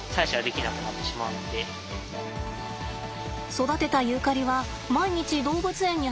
育てたユーカリは毎日動物園に運びます。